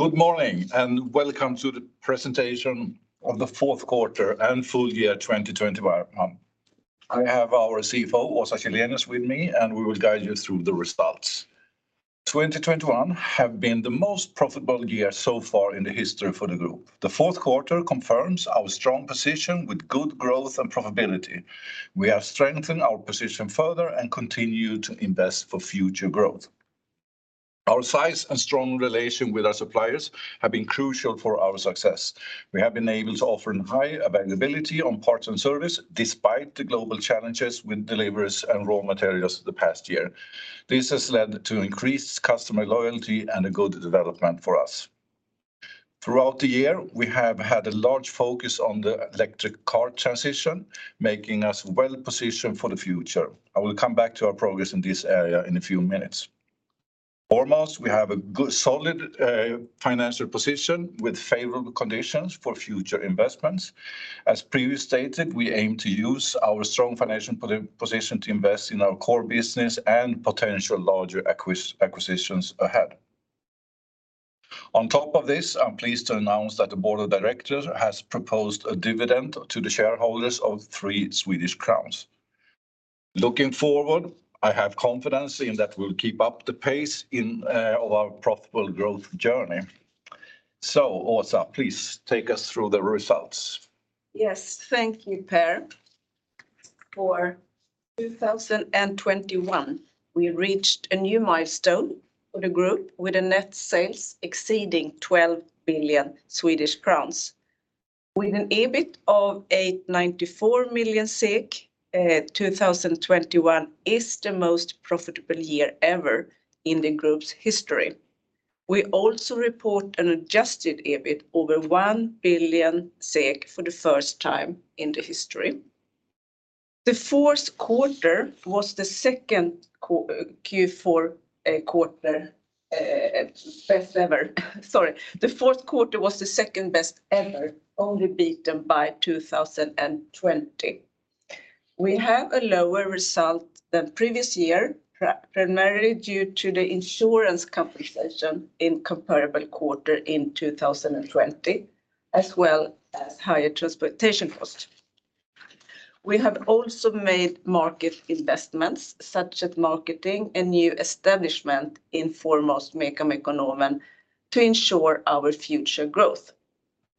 Good morning, and welcome to the presentation of the Q4 and full year 2021. I have our CFO, Åsa Källenius, is with me, and we will guide you through the results. 2021 have been the most profitable year so far in the history for the group. The fourth quarter confirms our strong position with good growth and profitability. We have strengthened our position further and continue to invest for future growth. Our size and strong relation with our suppliers have been crucial for our success. We have been able to offer high availability on parts and service despite the global challenges with deliveries and raw materials the past year. This has led to increased customer loyalty and a good development for us. Throughout the year, we have had a large focus on the electric car transition, making us well-positioned for the future. I will come back to our progress in this area in a few minutes. Foremost, we have a good solid financial position with favorable conditions for future investments. As previously stated, we aim to use our strong financial position to invest in our core business and potential larger acquisitions ahead. On top of this, I'm pleased to announce that the board of directors has proposed a dividend to the shareholders of 3 Swedish crowns. Looking forward, I have confidence in that we'll keep up the pace of our profitable growth journey. Åsa, please take us through the results. Yes. Thank you, Pehr. For 2021, we reached a new milestone for the group with net sales exceeding 12 billion Swedish crowns. With an EBIT of 894 million, 2021 is the most profitable year ever in the group's history. We also report an adjusted EBIT over 1 billion SEK for the first time in the history. The Q4 was the second best ever, only beaten by 2020. We have a lower result than previous year, primarily due to the insurance compensation in comparable quarter in 2020 as well as higher transportation cost. We have also made market investments such as marketing a new establishment in foremost Mekonomen to ensure our future growth.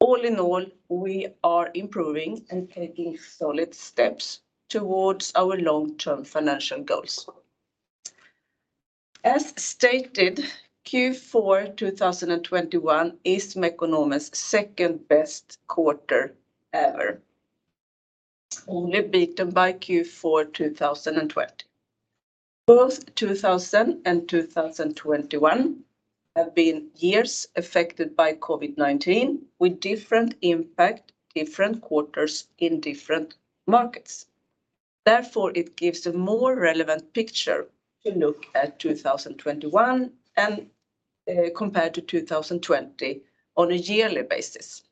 All in all, we are improving and taking solid steps towards our long-term financial goals. As stated, Q4 2021 is Mekonomen's second-best quarter ever, only beaten by Q4 2020. Both 2020 and 2021 have been years affected by COVID-19 with different impact, different quarters in different markets. Therefore, it gives a more relevant picture to look at 2021 and compared to 2020 on a yearly basis.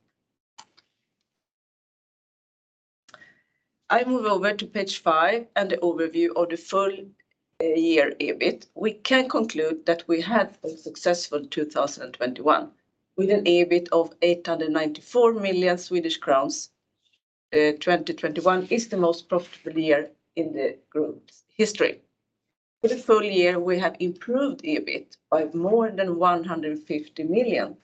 I move over to page five and the overview of the full year EBIT. We can conclude that we had a successful 2021. With an EBIT of 894 million Swedish crowns, 2021 is the most profitable year in the group's history. For the full year, we have improved EBIT by more than 150 million,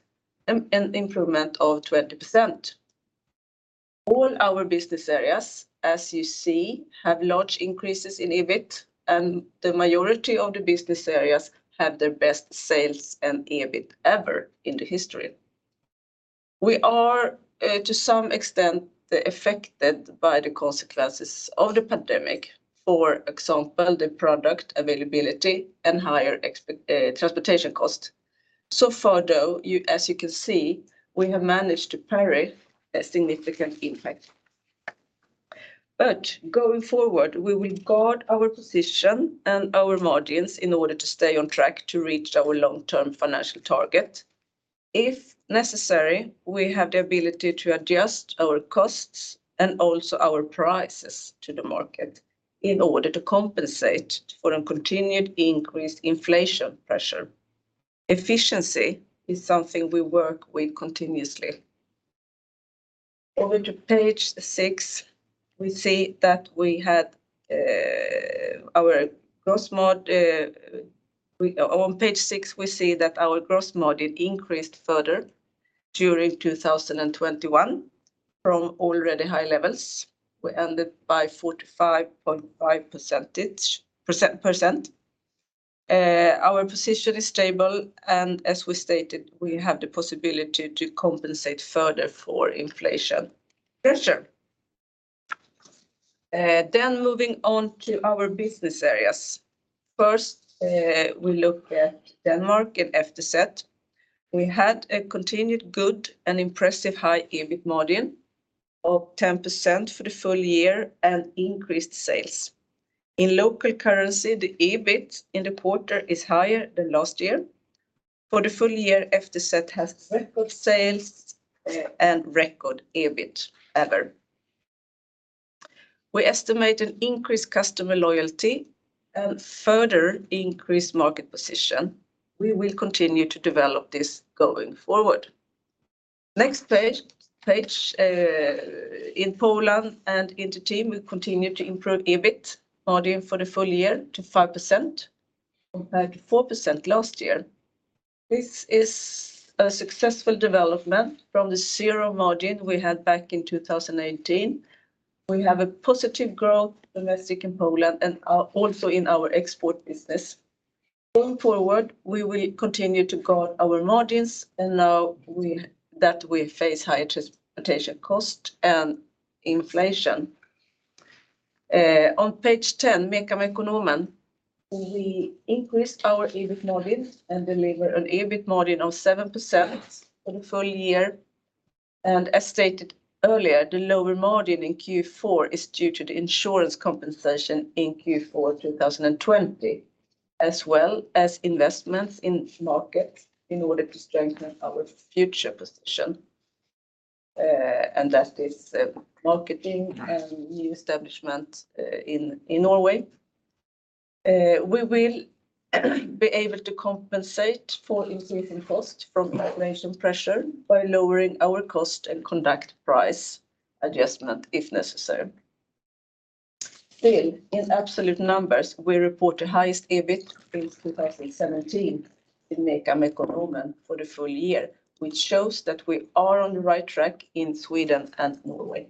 an improvement of 20%. All our business areas, as you see, have large increases in EBIT, and the majority of the business areas have their best sales and EBIT ever in the history. We are to some extent affected by the consequences of the pandemic, for example, the product availability and higher transportation cost. So far, though, as you can see, we have managed to parry a significant impact. Going forward, we will guard our position and our margins in order to stay on track to reach our long-term financial target. If necessary, we have the ability to adjust our costs and also our prices to the market in order to compensate for a continued increased inflation pressure. Efficiency is something we work with continuously. On page six, we see that our gross margin increased further during 2021 from already high levels. We ended by 45.5%. Our position is stable, and as we stated, we have the possibility to compensate further for inflation pressure. Moving on to our business areas. First, we look at Denmark and FTZ. We had a continued good and impressive high EBIT margin of 10% for the full year and increased sales. In local currency, the EBIT in the quarter is higher than last year. For the full year, FTZ has record sales and record EBIT ever. We estimate an increased customer loyalty and further increased market position. We will continue to develop this going forward. Next page in Poland and Inter-Team will continue to improve EBIT margin for the full year to 5% compared to 4% last year. This is a successful development from the 0% margin we had back in 2018. We have positive growth domestically in Poland and are also in our export business. Going forward, we will continue to guard our margins and now that we face higher transportation cost and inflation. On page 10, Mekonomen, we increased our EBIT margin and delivered an EBIT margin of 7% for the full year. As stated earlier, the lower margin in Q4 is due to the insurance compensation in Q4 2020, as well as investments in marketing and re-establishment in Norway in order to strengthen our future position. We will be able to compensate for increasing costs from inflation pressure by lowering our cost and conduct price adjustment if necessary. Still, in absolute numbers, we report the highest EBIT since 2017 in Mekonomen for the full year, which shows that we are on the right track in Sweden and Norway.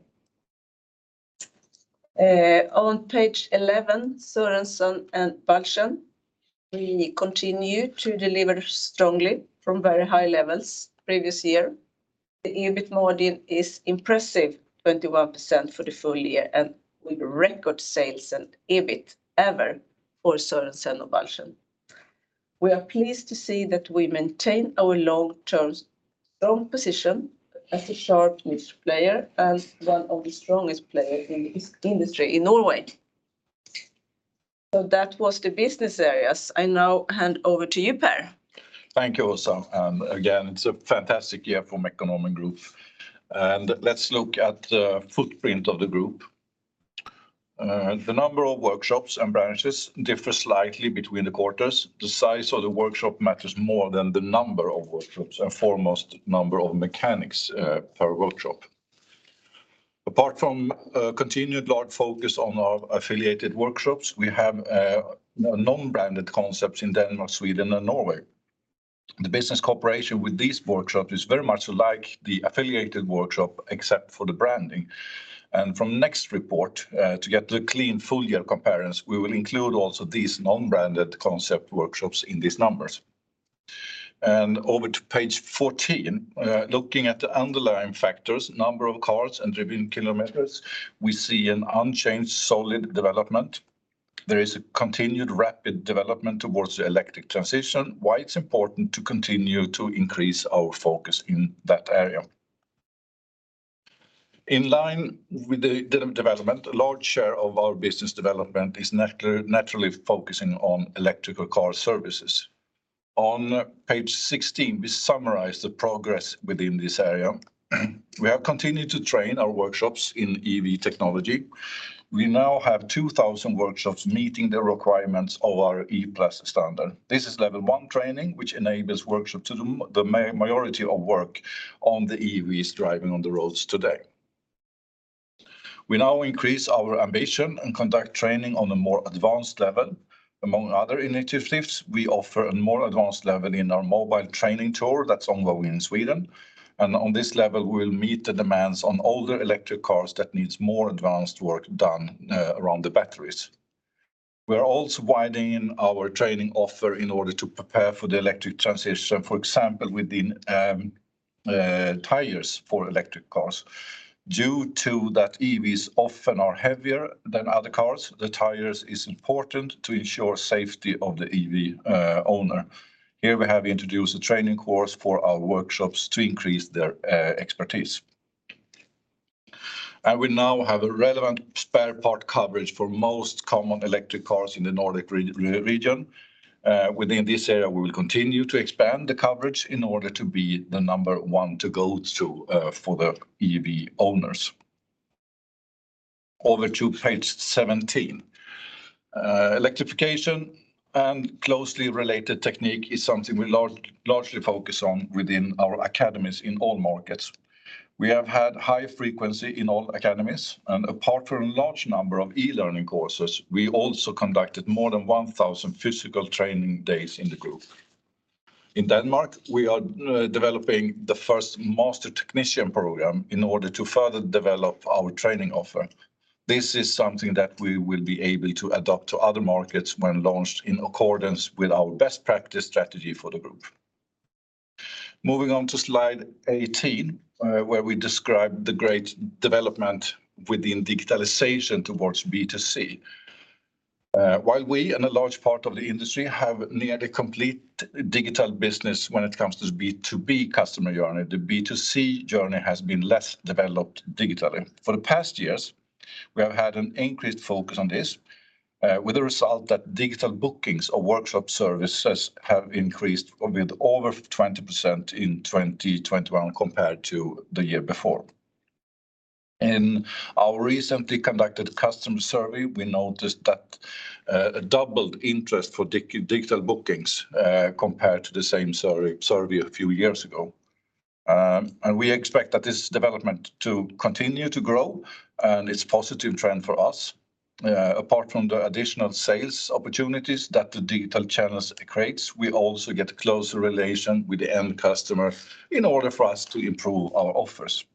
On page 11, Sørensen og Balchen, we continue to deliver strongly from very high levels previous year. The EBIT margin is impressive, 21% for the full year and with record sales and EBIT ever for Sørensen og Balchen. We are pleased to see that we maintain our long-term strong position as a sharp mixed player and one of the strongest players in this industry in Norway. That was the business areas. I now hand over to you, Pehr. Thank you, Åsa. Again, it's a fantastic year for Mekonomen Group. Let's look at the footprint of the group. The number of workshops and branches differ slightly between the quarters. The size of the workshop matters more than the number of workshops and foremost number of mechanics per workshop. Apart from a continued large focus on our affiliated workshops, we have non-branded concepts in Denmark, Sweden, and Norway. The business cooperation with these workshops is very much like the affiliated workshop, except for the branding. From next report to get the clean full year comparison, we will include also these non-branded concept workshops in these numbers. Over to page 14, looking at the underlying factors, number of cars and driven kilometers, we see an unchanged solid development. There is a continued rapid development towards the electric transition, why it's important to continue to increase our focus in that area. In line with the development, a large share of our business development is naturally focusing on electric car services. On page 16, we summarize the progress within this area. We have continued to train our workshops in EV technology. We now have 2,000 workshops meeting the requirements of our E+ standard. This is level one training, which enables workshop to do the majority of work on the EVs driving on the roads today. We now increase our ambition and conduct training on a more advanced level. Among other initiatives, we offer a more advanced level in our mobile training tour that's ongoing in Sweden. On this level, we'll meet the demands on older electric cars that needs more advanced work done around the batteries. We're also widening our training offer in order to prepare for the electric transition, for example, within, tires for electric cars. Due to that EVs often are heavier than other cars, the tires is important to ensure safety of the EV, owner. Here we have introduced a training course for our workshops to increase their expertise. We now have a relevant spare part coverage for most common electric cars in the Nordic region. Within this area, we will continue to expand the coverage in order to be the number one to go to, for the EV owners. Over to page 17. Electrification and closely related technique is something we largely focus on within our academies in all markets. We have had high frequency in all academies, and apart from a large number of e-learning courses, we also conducted more than 1,000 physical training days in the group. In Denmark, we are developing the first master technician program in order to further develop our training offer. This is something that we will be able to adapt to other markets when launched in accordance with our best practice strategy for the group. Moving on to slide 18, where we describe the great development within digitalization towards B2C. While we and a large part of the industry have nearly complete digital business when it comes to B2B customer journey, the B2C journey has been less developed digitally. For the past years, we have had an increased focus on this. With the result that digital bookings or workshop services have increased with over 20% in 2021 compared to the year before. In our recently conducted customer survey, we noticed that a doubled interest for digital bookings compared to the same survey a few years ago. We expect that this development to continue to grow, and it's positive trend for us. Apart from the additional sales opportunities that the digital channels creates, we also get closer relation with the end customer in order for us to improve our offers.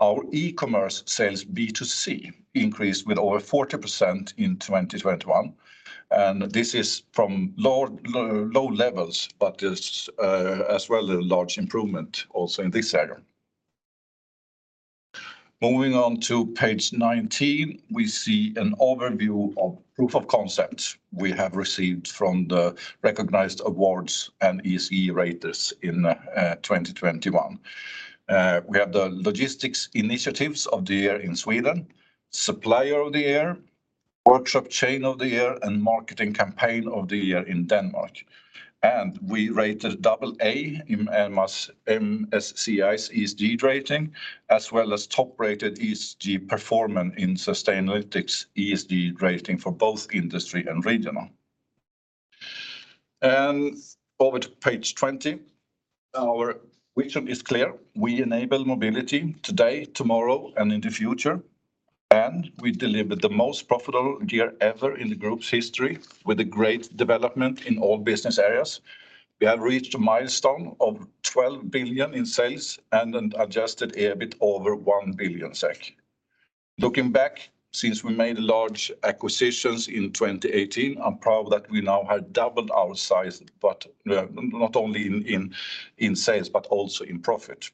Our e-commerce sales B2C increased with over 40% in 2021, and this is from low levels, but it's as well a large improvement also in this area. Moving on to page 19, we see an overview of proof of concept we have received from the recognized awards and ESG raters in 2021. We have the Logistics Initiative of the Year in Sweden, Supplier of the Year, Workshop Chain of the Year, and Marketing Campaign of the Year in Denmark. We rated AA in MSCI's ESG rating, as well as top-rated ESG performer in Sustainalytics ESG rating for both industry and regional. Over to page 20. Our vision is clear. We enable mobility today, tomorrow, and in the future, and we delivered the most profitable year ever in the group's history with a great development in all business areas. We have reached a milestone of 12 billion in sales and an adjusted EBIT over 1 billion SEK. Looking back, since we made large acquisitions in 2018, I'm proud that we now have doubled our size, but not only in sales but also in profit.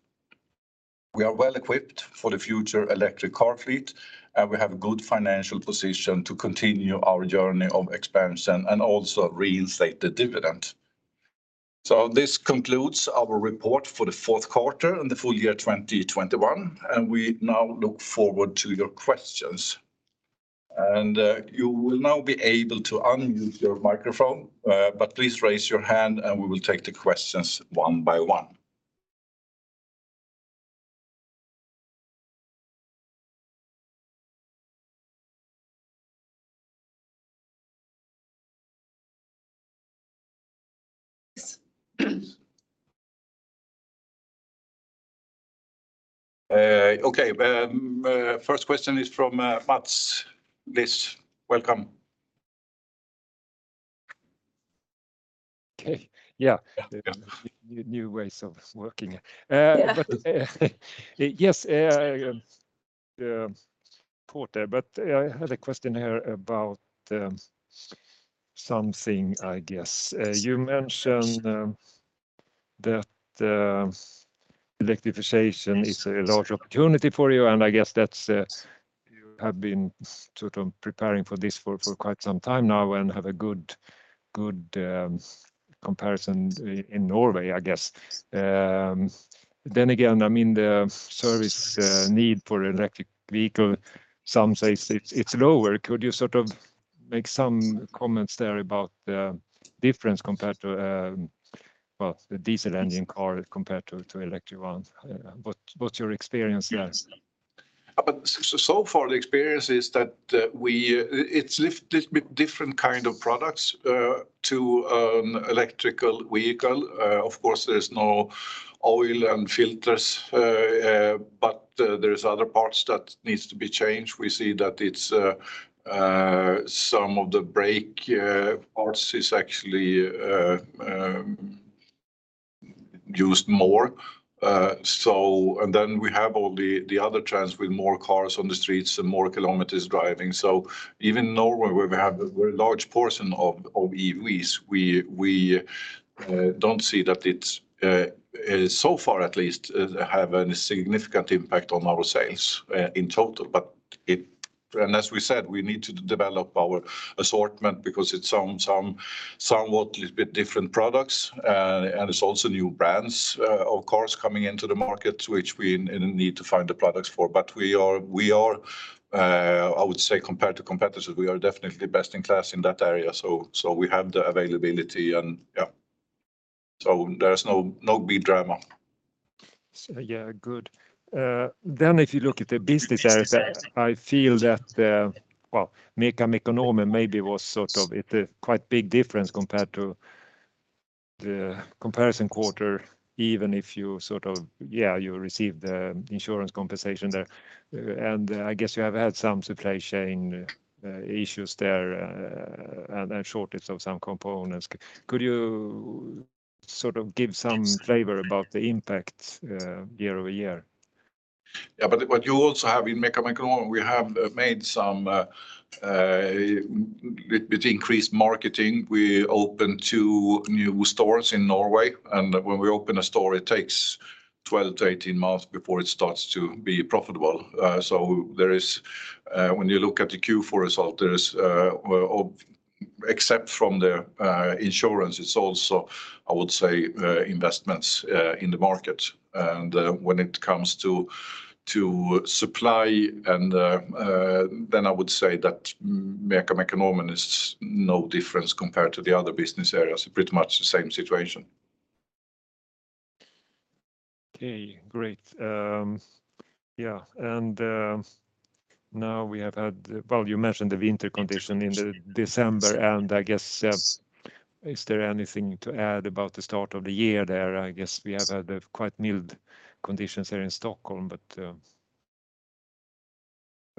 We are well equipped for the future electric car fleet, and we have a good financial position to continue our journey of expansion and also reinstate the dividend. This concludes our report for the Q4 and the full year 2021, and we now look forward to your questions. You will now be able to unmute your microphone, but please raise your hand, and we will take the questions one by one. First question is from Mats Liss. Welcome. Okay. Yeah. Yeah. New ways of working. Yes, report there, but I had a question here about something, I guess. You mentioned that electrification is a large opportunity for you, and I guess that's you have been sort of preparing for this for quite some time now and have a good comparison in Norway, I guess. Again, I mean, the service need for electric vehicle, some say it's lower. Could you sort of make some comments there about the difference compared to, well, the diesel engine car compared to electric ones? What's your experience there? Yes. So far the experience is that it's a little bit different kind of products for electric vehicle. Of course, there's no oil and filters, but there's other parts that needs to be changed. We see that it's some of the brake parts is actually used more. Then we have all the other trends with more cars on the streets and more kilometers driving. Even in Norway, where we have a very large portion of EVs, we don't see that it's so far at least have any significant impact on our sales in total. As we said, we need to develop our assortment because it's somewhat a little bit different products. It's also new brands, of course, coming into the market, which we need to find the products for. I would say compared to competitors, we are definitely best in class in that area. We have the availability and yeah. There's no big drama. Yeah. Good. If you look at the business areas, I feel that, well, Mekonomen maybe was sort of at a quite big difference compared to the comparison quarter, even if you sort of, yeah, you received the insurance compensation there. I guess you have had some supply chain issues there, and shortage of some components. Could you sort of give some flavor about the impact, year-over-year? You also have in Mekonomen, we have made some with increased marketing. We opened two new stores in Norway, and when we open a store, it takes 12 months-18 months before it starts to be profitable. When you look at the Q4 result, there is, except for the insurance, it's also, I would say, investments in the market. When it comes to supply and then I would say that MECA, Mekonomen is no difference compared to the other business areas. Pretty much the same situation. Okay, great. Yeah. Now we have had. Well, you mentioned the winter condition in December, and I guess, is there anything to add about the start of the year there? I guess we have had a quite mild conditions here in Stockholm, but...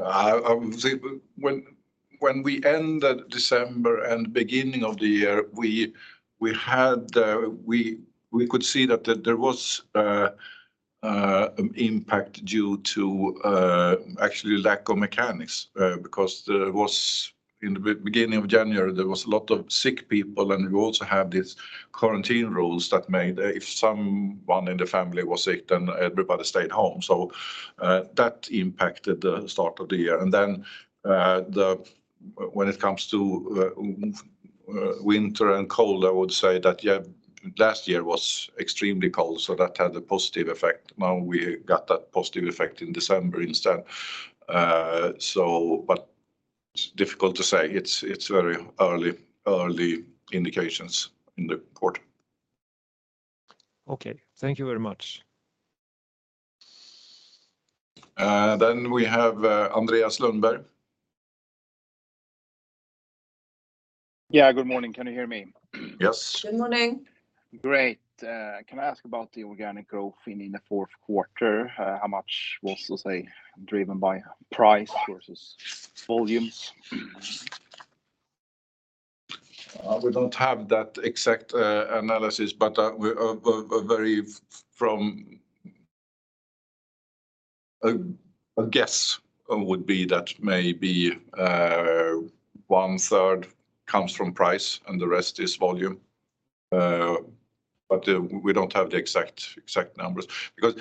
I would say when we ended December and beginning of the year, we could see that there was impact due to actually lack of mechanics, because there was in the beginning of January there was a lot of sick people, and we also had these quarantine rules that made if someone in the family was sick, then everybody stayed home. That impacted the start of the year. When it comes to winter and cold, I would say that yeah last year was extremely cold, so that had a positive effect. Now we got that positive effect in December instead. But it's difficult to say. It's very early indications in the quarter. Okay. Thank you very much. We have Andreas Lundberg. Yeah. Good morning. Can you hear me? Yes. Good morning. Great. Can I ask about the organic growth in the Q4? How much was, let's say, driven by price versus volumes? We don't have that exact analysis, but a guess would be that maybe 1/3 comes from price, and the rest is volume. We don't have the exact numbers because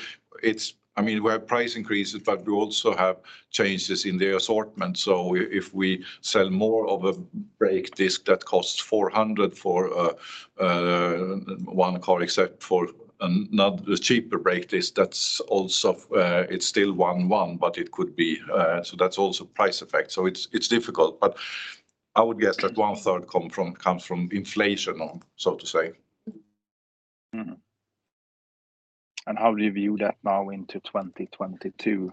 I mean, we have price increases, but we also have changes in the assortment. If we sell more of a brake disc that costs 400 for one car except for another cheaper brake disc, that's also. It's still one one, but it could be, so that's also price effect. It's difficult. I would guess that 1/3 comes from inflation, so to say. How do you view that now into 2022?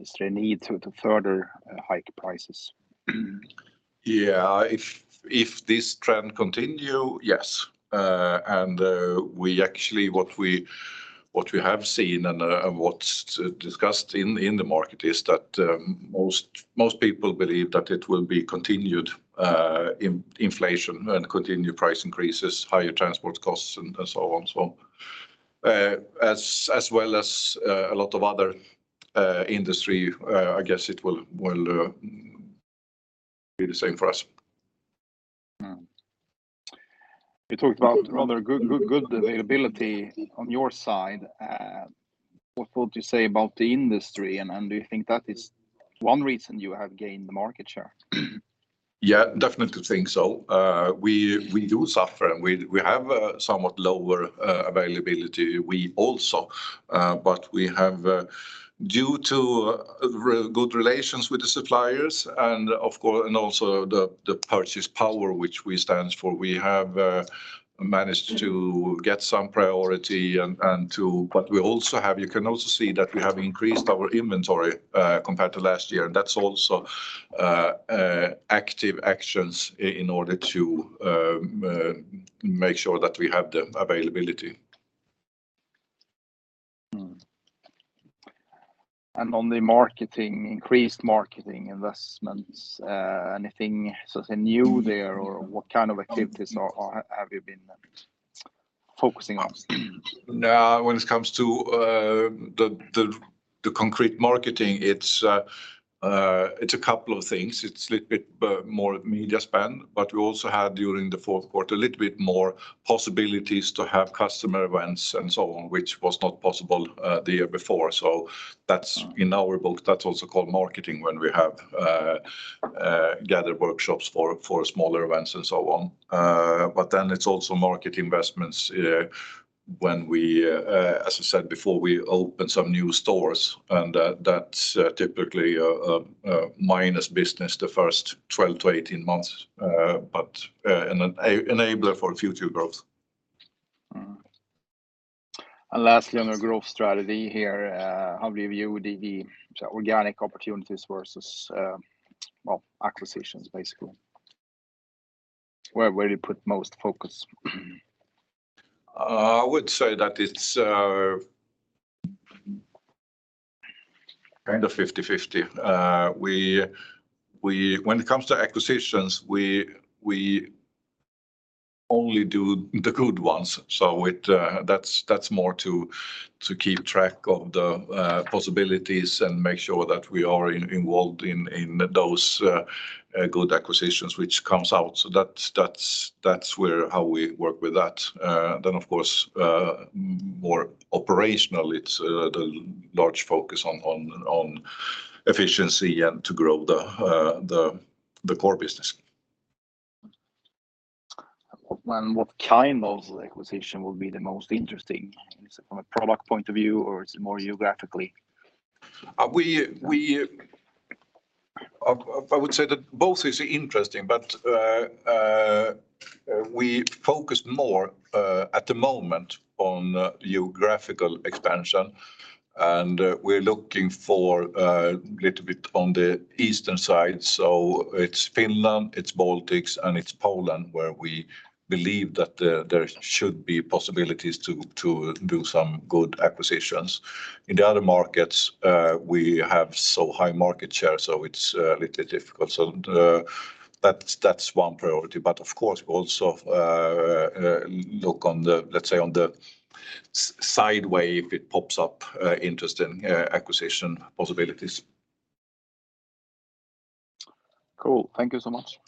Is there a need to further hike prices? Yeah. If this trend continue, yes. We actually what we have seen and what's discussed in the market is that most people believe that it will be continued inflation and continued price increases, higher transport costs, and so on. As well as a lot of other industry, I guess it will be the same for us. You talked about rather good availability on your side. What would you say about the industry, and do you think that is one reason you have gained the market share? Yeah, definitely think so. We do suffer, and we have a somewhat lower availability. We also have, due to real good relations with the suppliers and, of course, also the purchase power which we stands for, managed to get some priority. You can also see that we have increased our inventory compared to last year, and that's also active actions in order to make sure that we have the availability. Mm-hmm. On the marketing, increased marketing investments, anything sort of new there, or what kind of activities have you been focusing on? No. When it comes to the concrete marketing, it's a couple of things. It's a little bit more media spend, but we also had during the Q4 a little bit more possibilities to have customer events and so on, which was not possible the year before. That's, in our book, also called marketing when we have gathered workshops for smaller events and so on. It's also market investments when we, as I said before, we open some new stores, and that's typically a minus business the first 12 months-18 months, but an enabler for future growth. Lastly, on the growth strategy here, how do you view the organic opportunities versus, well, acquisitions basically? Where do you put most focus? I would say that it's kind of 50/50. When it comes to acquisitions, we only do the good ones, so that's where how we work with that. Of course, more operational, it's the large focus on efficiency and to grow the core business. What kind of acquisition will be the most interesting? Is it from a product point of view, or is it more geographically? I would say that both is interesting, but we focus more at the moment on geographical expansion, and we're looking for little bit on the eastern side. It's Finland, it's Baltics, and it's Poland where we believe that there should be possibilities to do some good acquisitions. In the other markets, we have so high market share, so it's a little difficult. That's one priority. Of course we also look on the, let's say, on the sideways if it pops up interesting acquisition possibilities. Cool. Thank you so much.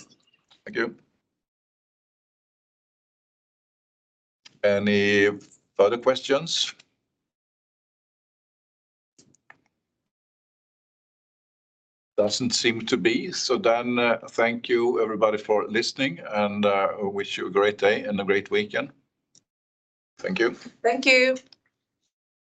Thank you. Any further questions? Doesn't seem to be. Thank you everybody for listening, and wish you a great day and a great weekend. Thank you. Thank you.